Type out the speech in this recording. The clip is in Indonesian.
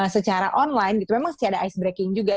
secara online gitu memang sih ada icebreaking juga